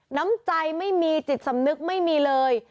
น้ำใจไม่มีจิตสำนึกไม่มีเลย